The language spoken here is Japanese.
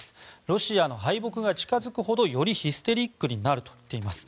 ロシアの敗北が近付くほどよりヒステリックになると言っています。